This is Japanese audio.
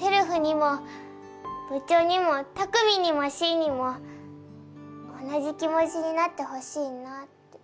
せるふにも部長にもたくみんにもしーにも同じ気持ちになってほしいなって。